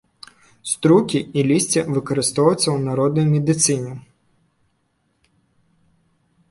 Струкі і лісце выкарыстоўваюцца ў народнай медыцыне.